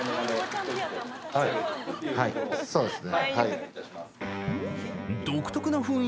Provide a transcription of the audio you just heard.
そうですね。